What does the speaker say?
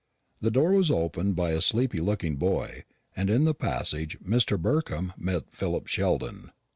The door was opened by a sleepy looking boy, and in the passage Mr. Burkham met Philip Sheldon.